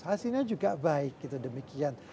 hasilnya juga baik gitu demikian